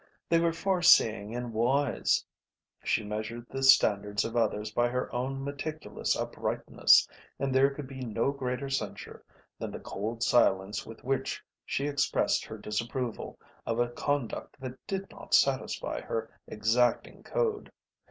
They were far seeing and wise. She measured the standards of others by her own meticulous uprightness and there could be no greater censure than the cold silence with which she expressed her disapproval of a conduct that did not satisfy her exacting code.